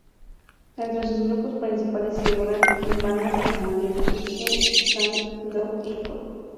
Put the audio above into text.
Entre sus grupos principales figuran bandas como Limp Bizkit, Staind, Dope, y Cold.